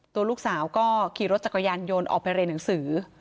ตัวลูกสาวก็ขี่รถจักรยานยนต์ออกไปเรียนหนังสือ